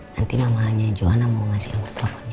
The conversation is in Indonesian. nanti namanya jhoana mau ngasih nomer teleponnya